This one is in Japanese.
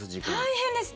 大変です。